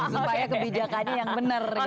supaya kebijakannya yang benar gitu